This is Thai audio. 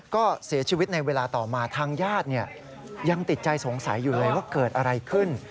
ก็เสียชีวิตในเวลาต่อมาทางญาติยังติดใจสงสัยอยู่เลยว่าเกิดอะไรขึ้น